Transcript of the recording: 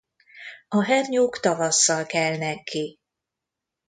A hernyók tavasszal kelnek ki.